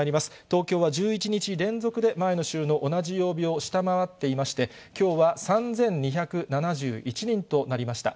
東京は１１日連続で前の週の同じ曜日を下回っていまして、きょうは３２７１人となりました。